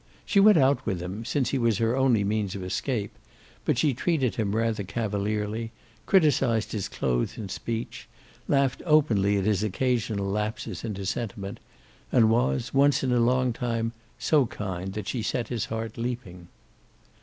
She went out with him, since he was her only means of escape, but she treated him rather cavalierly, criticized his clothes and speech, laughed openly at his occasional lapses into sentiment, and was, once in a long time, so kind that she set his heart leaping.